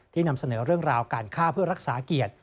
นำเสนอเรื่องราวการฆ่าเพื่อรักษาเกียรติ